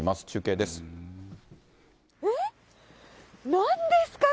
中継です。